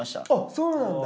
そうなんだ。